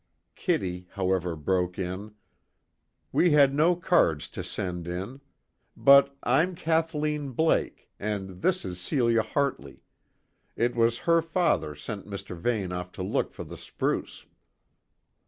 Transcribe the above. Kitty, however, broke in: "We had no cards to send in; but I'm Kathleen Blake, and this is Celia Hartley it was her father sent Mr. Vane off to look for the spruce."